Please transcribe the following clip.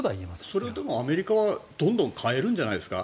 それでもアメリカはどんどん変えるんじゃないですか。